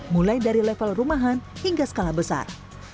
mulai dari level rumahan hingga skala besar